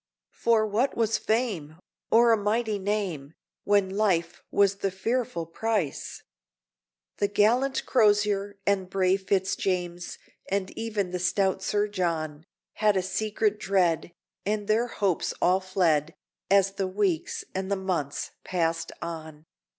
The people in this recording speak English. For what was fame, or a mighty name, When life was the fearful price? The gallant Crozier, and brave Fitz James, And even the stout Sir John, Had a secret dread, and their hopes all fled, As the weeks and the months passed on.